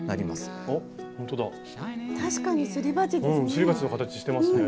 すり鉢の形してますね。